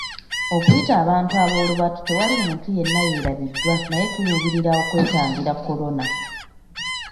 Okuyita abantu ab'olubatu tewali muntu yenna yeerabiddwa naye tuluubirira okwetangira Kolona.